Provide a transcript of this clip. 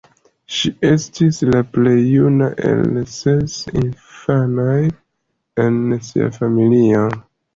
Ŝi estis la plej juna el ses infanoj en sia familio.